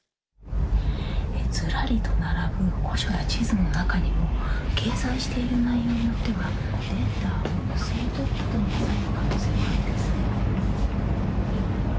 ずらりと並ぶ古書や地図の中にも、掲載している内容によっては、データを盗み取ったと見なされる可能性があるんです。